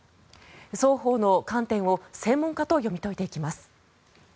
双方の観点を専門家と読み解いていきます。